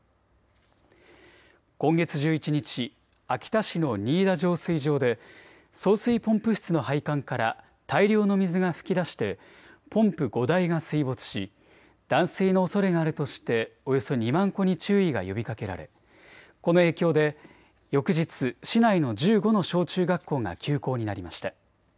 今月１１日、秋田市の仁井田浄水場で送水ポンプ室の配管から大量の水が噴き出してポンプ５台が水没し断水のおそれがあるとしておよそ２万戸に注意が呼びかけられ、この影響で翌日、市内の１５の小中学校が休校になりました。